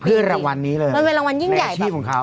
เพื่อรางวัลนี้เลยในอาชีพของเขา